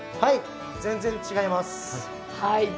全然、違います。